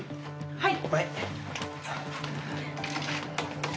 はい。